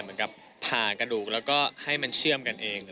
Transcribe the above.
เหมือนกับผ่ากระดูกแล้วก็ให้มันเชื่อมกันเอง